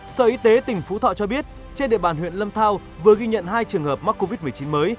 sở y tế tỉnh phú thọ cho biết trên địa bàn huyện lâm thao vừa ghi nhận hai trường hợp mắc covid một mươi chín mới